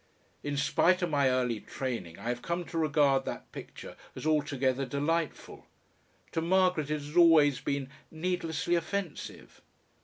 In spite of my early training I have come to regard that picture as altogether delightful; to Margaret it has always been "needlessly offensive."